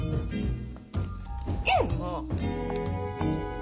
うん！